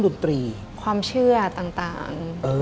ดิงกระพวน